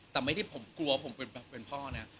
แต่ไม่ได้ผมกลัวผมเป็นพ่อเนี่ย